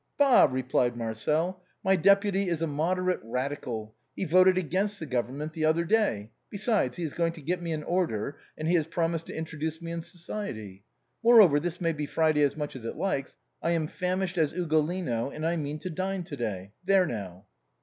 " Bah !" replied Marcel, " my deputy is a moderate radi cal ; he voted against the government the other day. Beside, A GOOD ANGEL. 39 he is going to get me an order, and he has promised to introduce me in society. Moreover, this may be Friday as much as it likes ; I am as famished as Ugolino, and I mean to dine to day. There now